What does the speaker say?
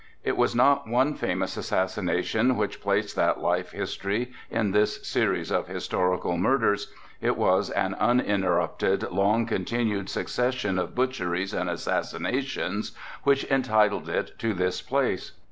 It was not one famous assassination which placed that life story in this series of historical murders; it was an uninterrupted, long continued succession of butcheries and assassinations which entitled it to this place.